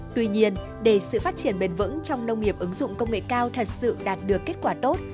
tuy nhiên để sự phát triển bền vững trong nông nghiệp ứng dụng công nghệ cao thật sự đạt được kết quả tốt